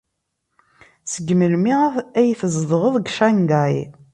Seg melmi ay tzedɣeḍ deg Shanghai?